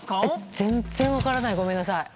全然分からないごめんなさい。